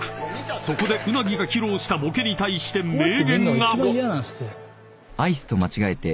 ［そこで鰻が披露したボケに対して名言が］